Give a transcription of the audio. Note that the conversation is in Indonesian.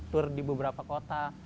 tour di beberapa kota